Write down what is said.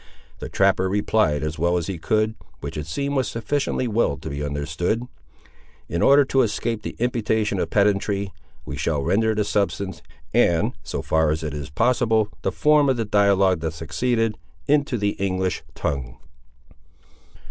The trapper replied as well as he could, which it seems was sufficiently well to be understood. In order to escape the imputation of pedantry we shall render the substance, and, so far as it is possible, the form of the dialogue that succeeded, into the English tongue.